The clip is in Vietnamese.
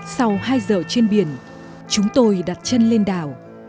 sau hai giờ trên biển chúng tôi đặt chân lên đảo